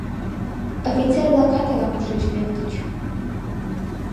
Офицер-влакат ала-кушеч лектыч.